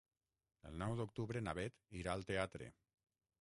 El nou d'octubre na Beth irà al teatre.